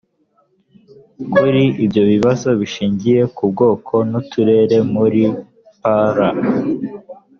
kuri ibyo bibazo bishingiye ku bwoko n uturere muri pl